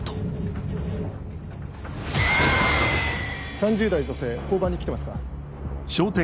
３０代女性交番に来てますか？